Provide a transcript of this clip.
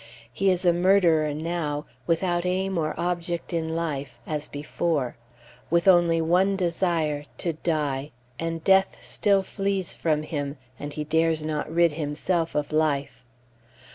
He is a murderer now, without aim or object in life, as before; with only one desire to die and death still flees from him, and he Dares not rid himself of life.